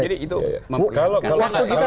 jadi itu memperlihatkan